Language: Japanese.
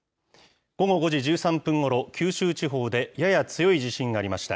午後５時１３分ごろ、九州地方でやや強い地震がありました。